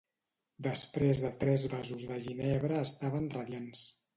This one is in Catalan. Després de tres vasos de ginebra estaven radiants.